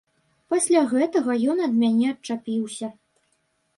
Пасля гэтага ён ад мяне адчапіўся.